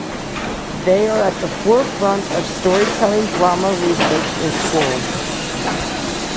They are at the forefront of storytelling-drama research in schools.